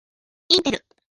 インテル